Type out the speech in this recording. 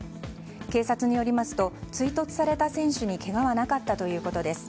警察によりますと追突された選手にけがはなかったということです。